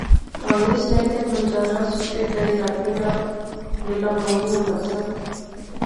کہانی سنائے تہ بنجاراں ستے تائیں راتی ناں ویلا موزوں ہونا سا